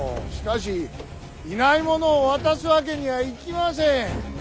しかしいない者を渡すわけにはいきません。